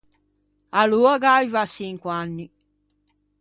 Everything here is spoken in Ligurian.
Aloa gh’aiva çinqu’anni.